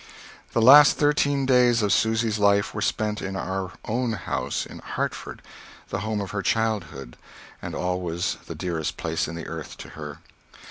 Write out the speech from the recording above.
The last thirteen days of Susy's life were spent in our own house in Hartford, the home of her childhood, and always the dearest place in the earth to her.